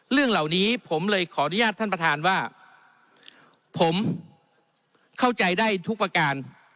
เรื่องเหล่านี้ผมเลยขออนุญาตท่านประธานว่าผมเข้าใจได้ทุกประการ